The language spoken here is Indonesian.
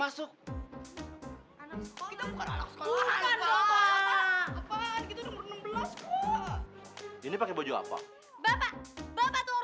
bapak pake seragam